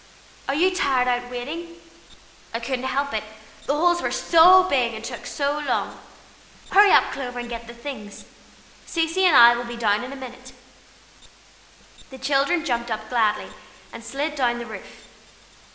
Are you tired out waiting? I couldn't help it, the holes were so big, and took so long. Hurry up, Clover, and get the things! Cecy and I will be down in a minute." The children jumped up gladly, and slid down the roof.